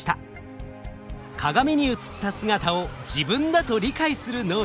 鏡に映った姿を自分だと理解する能力鏡像自己認知。